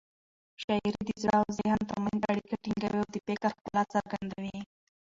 شاعري د زړه او ذهن تر منځ اړیکه ټینګوي او د فکر ښکلا څرګندوي.